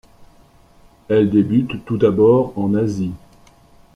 Elle débute tout d'abord en Asie.